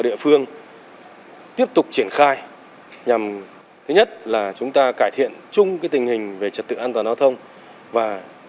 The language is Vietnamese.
địa phương tiếp tục triển khai nhằm thứ nhất là chúng ta cải thiện chung tình hình về trật tự an toàn giao thông và